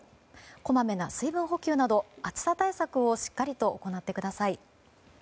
こまめな水分補給など暑さ対策をしっかりと行ってください。